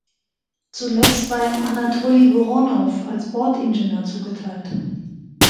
Zuletzt war ihm Anatoli Woronow als Bordingenieur zugeteilt.